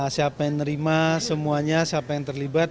siapa yang nerima semuanya siapa yang terlibat